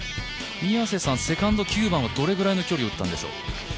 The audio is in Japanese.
セカンド９番はどれぐらいの距離を打ったんでしょうか。